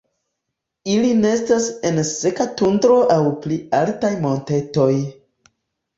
Ili nestas en seka tundro aŭ pli altaj montetoj.